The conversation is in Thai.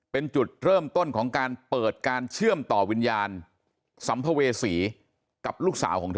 เป็นจุดเริ่มต้นของการเปิดการเชื่อมต่อวิญญาณสัมภเวษีกับลูกสาวของเธอ